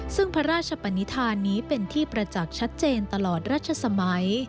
ซึ่งพระราชปนิษฐานนี้เป็นที่ประจักษ์ชัดเจนตลอดรัชสมัย